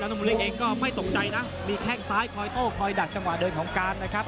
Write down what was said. ด้วยเองก็ไม่สงสัยนะมีแค่งซ้ายพลอยโต้พลอยดัดจังหวะเดินของการนะครับ